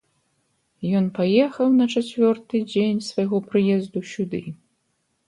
Ён паехаў на чацвёрты дзень свайго прыезду сюды.